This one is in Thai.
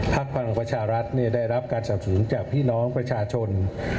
พลังประชารัฐได้รับการสนับสนุนจากพี่น้องประชาชน